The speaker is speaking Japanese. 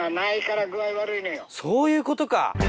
そういうことか。